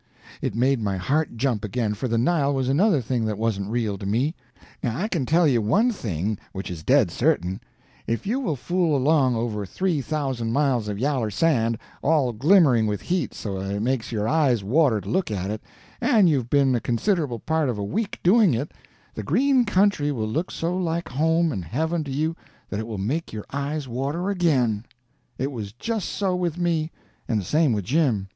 It made my heart jump again, for the Nile was another thing that wasn't real to me. Now I can tell you one thing which is dead certain: if you will fool along over three thousand miles of yaller sand, all glimmering with heat so that it makes your eyes water to look at it, and you've been a considerable part of a week doing it, the green country will look so like home and heaven to you that it will make your eyes water again. It was just so with me, and the same with Jim.